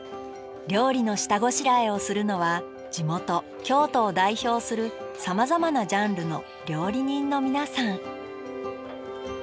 料理の下ごしらえをするのは地元京都を代表するさまざまなジャンルの料理人の皆さん。